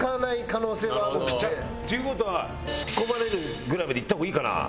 っていう事は「ツッコまれる」ぐらいまでいった方がいいかな？